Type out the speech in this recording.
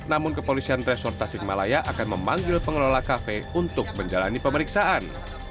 namun kepolisian resort tasikmalaya akan memanggil pengelola kafe untuk menjalani pemeriksaan